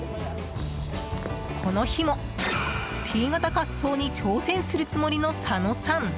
この日もＴ型滑走に挑戦するつもりの佐野さん。